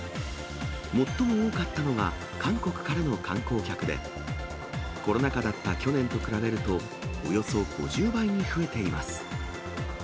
最も多かったのが、韓国からの観光客で、コロナ禍だった去年と比べると、およそ５０倍に増えています。